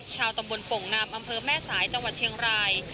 ชาวตำบลโป่งงามอำเภอแม่สายจังหวัดเชียงราย